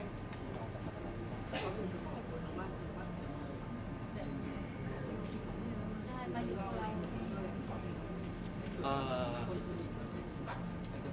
น้องจะตัดสินใจ